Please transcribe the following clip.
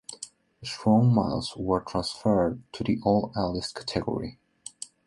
Strong Milds were transferred to the Old Ales category.